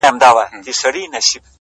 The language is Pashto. څه وکړمه لاس کي مي هيڅ څه نه وي ـ